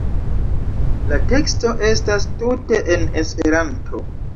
La teksto estas tute en Esperanto.